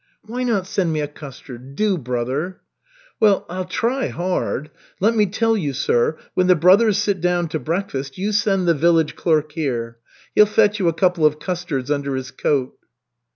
"Why not send me a custard? Do, brother." "Well, I'll try hard. Let me tell you, sir. When the brothers sit down to breakfast, you send the village clerk here. He'll fetch you a couple of custards under his coat."